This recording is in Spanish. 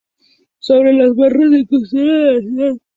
Sobre las barrancas de la costanera de la ciudad.